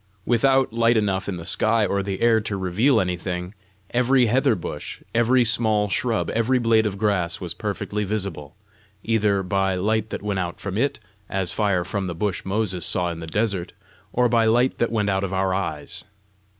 Without light enough in the sky or the air to reveal anything, every heather bush, every small shrub, every blade of grass was perfectly visible either by light that went out from it, as fire from the bush Moses saw in the desert, or by light that went out of our eyes.